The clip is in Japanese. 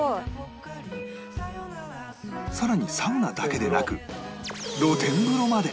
更にサウナだけでなく露天風呂まで